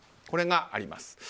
これがあります。